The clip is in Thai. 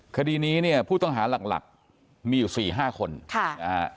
คดีนี้เนี่ยผู้ต้องหาหลักหลักมีอยู่๔๕คนค่ะนะฮะ